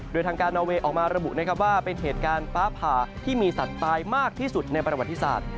โดยทางการนอเวย์ออกมาระบุนะครับว่าเป็นเหตุการณ์ฟ้าผ่าที่มีสัตว์ตายมากที่สุดในประวัติศาสตร์